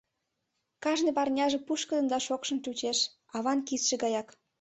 Кажне пырняже пушкыдын да шокшын чучеш — аван кидше гаяк.